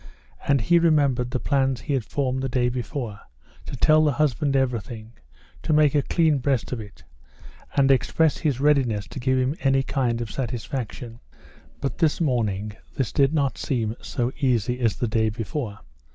And he remembered the plans he had formed the day before, to tell the husband everything, to make a clean breast of it, and express his readiness to give him any kind of satisfaction. But this morning this did not seem so easy as the day before.